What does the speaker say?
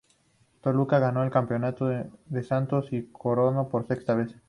Toluca le ganó el campeonato a Santos y se coronó por sexta vez.